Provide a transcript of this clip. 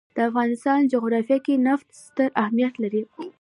د افغانستان جغرافیه کې نفت ستر اهمیت لري.